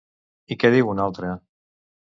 I què diu una altra?